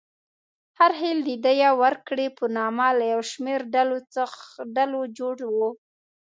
هر خېل د دیه ورکړې په نامه له یو شمېر ډلو جوړ و.